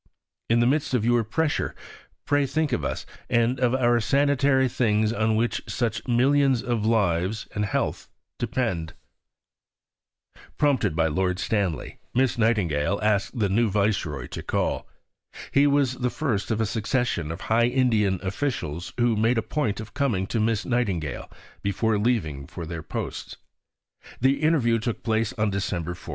In the midst of your pressure pray think of us, and of our sanitary things on which such millions of lives and health depend. From the Life of Lord Lawrence, by R. Bosworth Smith, 1885, vol. ii. p. 278. Prompted by Lord Stanley, Miss Nightingale asked the new Viceroy to call. He was the first of a succession of high Indian officials who made a point of coming to Miss Nightingale before leaving for their posts. The interview took place on December 4.